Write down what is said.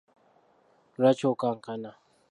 Lwaki okankana?